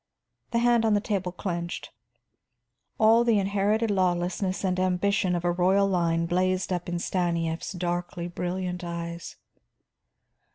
The hand on the table clenched; all the inherited lawlessness and ambition of a royal line blazed up in Stanief's darkly brilliant eyes.